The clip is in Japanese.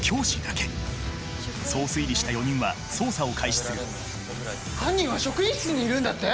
そう推理した４人は捜査を開始する犯人は職員室にいるんだって！？